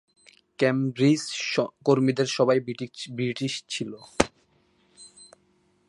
Cambridge কর্মীদের সবাই British ছিল।